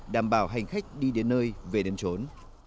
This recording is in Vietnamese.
đảm bảo hành khách đi đến nơi về đến trốn